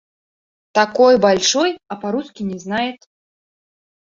Такой большой, а по-русски не знает.